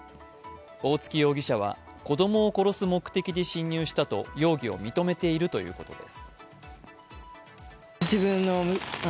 大槻容疑者は子供を殺す目的で侵入したと容疑を認めているということです。